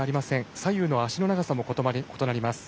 左右の足の長さも異なります。